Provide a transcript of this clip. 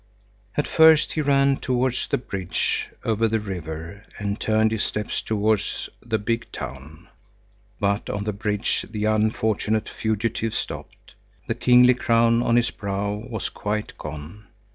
At first he ran towards the bridge over the river and turned his steps towards the big town. But on the bridge the unfortunate fugitive stopped. The kingly crown on his brow was quite gone.